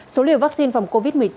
số liều vaccine phòng covid một mươi chín